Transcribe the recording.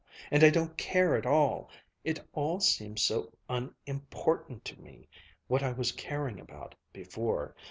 And I don't care at all it all seems so unimportant to me, what I was caring about, before.